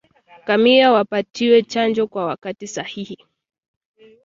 Ngamia wapatiwe chanjo kwa wakati sahihi